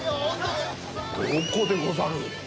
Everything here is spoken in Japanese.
どこでござる。